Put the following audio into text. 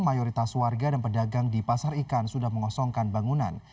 mayoritas warga dan pedagang di pasar ikan sudah mengosongkan bangunan